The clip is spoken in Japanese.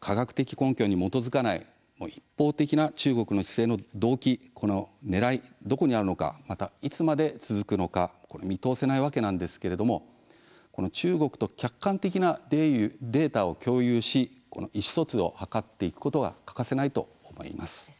科学的根拠に基づかない一方的な中国の姿勢の動機、ねらいがどこにあるのかまたいつまで続くのか見通せないわけなんですけれども中国と客観的なデータを共有し意思疎通を図っていくことは欠かせないと思います。